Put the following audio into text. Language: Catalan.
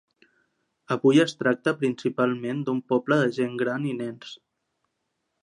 Avui es tracta principalment d'un poble de gent gran i nens.